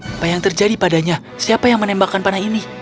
apa yang terjadi padanya siapa yang menembakkan panah ini